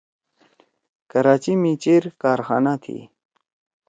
کراچی می چیر کارخانہ تھی۔